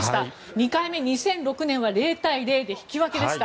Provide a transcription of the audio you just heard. ２回目、２００６年は０対０で引き分けでした。